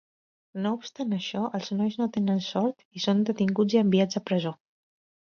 No obstant això, els nois no tenen sort, i són detinguts i enviats a presó.